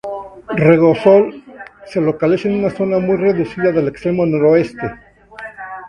Regosol: se localiza en una zona muy reducida del extremo noroeste.